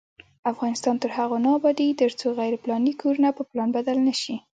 افغانستان تر هغو نه ابادیږي، ترڅو غیر پلاني کورونه په پلان بدل نشي.